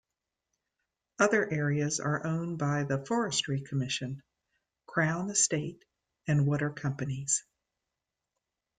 Other areas are owned by the Forestry Commission, Crown Estate and Water Companies.